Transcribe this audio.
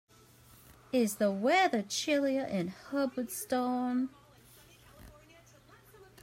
Is the weather chillier in Hubbardston